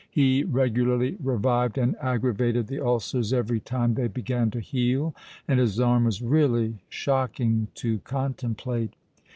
He regularly revived and aggravated the ulcers every time they began to heal, and his arm was really shocking to contemplate.